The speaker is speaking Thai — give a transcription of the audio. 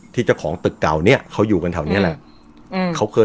ที่เจ้าของตึกเก่าเนี่ยเขาอยู่กันแถวนี้แหละ